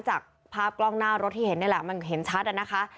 จากภาพกล้องหน้ารถที่เห็นนี่แหละมันเห็นชัดนะคะ